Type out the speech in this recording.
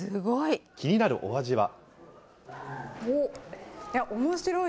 気になるお味は？